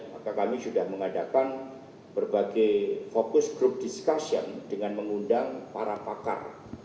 maka kami sudah mengadakan berbagai fokus group discussion dengan mengundang para pakar